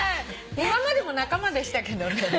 今までも仲間でしたけどね。